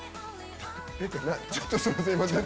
ちょっとすみません